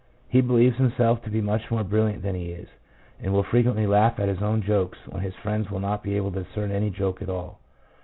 He believes himself to be much more brilliant than he is, and will frequently laugh at his own jokes when his friends will not be able to discern any joke at all.